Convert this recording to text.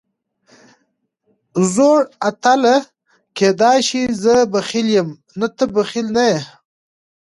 زوړ اتله، کېدای شي زه بخیل یم، نه ته بخیل نه یې.